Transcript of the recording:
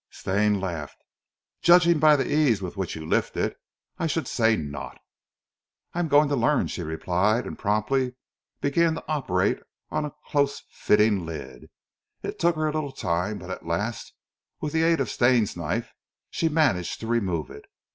Stane laughed. "Judging by the ease with which you lift it, I should say not." "I'm going to learn," she replied, and promptly began to operate on a close fitting lid. It took her a little time, but at last, with the aid of Stane's knife, she managed to remove it.